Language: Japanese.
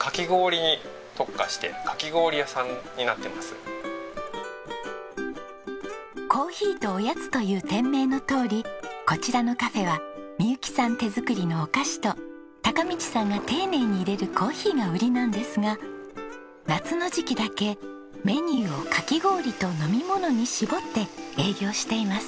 夏７月から９月の間は「珈琲とおやつ」という店名のとおりこちらのカフェは未佑紀さん手作りのお菓子と貴道さんが丁寧にいれるコーヒーが売りなんですが夏の時期だけメニューをかき氷と飲み物に絞って営業しています。